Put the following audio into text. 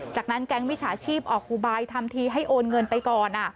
จากนั้นแก๊งมิจฉาชีพออกอุบายทำทีให้โอนเงินไปก่อน